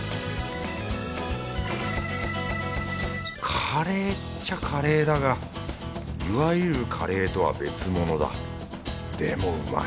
カレーっちゃカレーだがいわゆるカレーとは別物だ。でもうまい